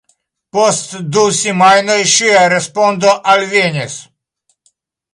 Post du semajnoj ŝia respondo alvenis.